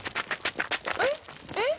えっ？えっ？